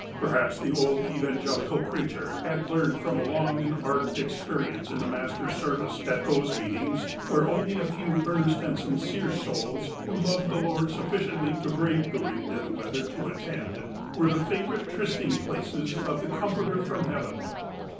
Perhaps the old evangelical preacher had learned from a long and ardent experience in the Master's service that those meetings, where only a few earnest and sincere souls, who loved the Lord sufficiently to brave the wind and the weather to attend, were the favourite trysting places of the " Comforter from heaven."